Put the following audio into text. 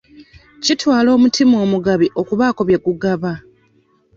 Kitwala omutima omugabi okubaako bye gugaba.